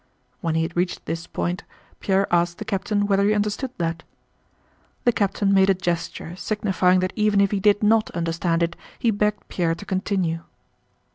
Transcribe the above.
When he had reached this point, Pierre asked the captain whether he understood that. The captain made a gesture signifying that even if he did not understand it he begged Pierre to continue.